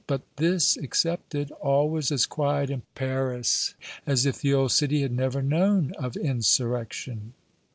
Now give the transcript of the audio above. But this excepted, all was as quiet in Paris as if the old city had never known of insurrection.